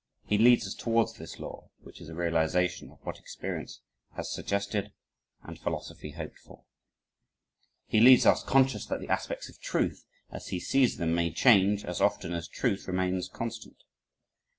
He leads us towards this law, which is a realization of what experience has suggested and philosophy hoped for. He leads us, conscious that the aspects of truth, as he sees them, may change as often as truth remains constant.